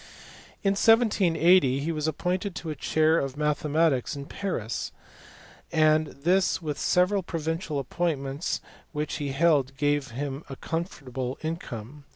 In 1780 he was appointed to a chair of mathematics in Paris, and this with several provincial appointments which he held gave him a comfortable income.